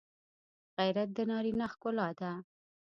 غیرت د نارینه ښکلا ده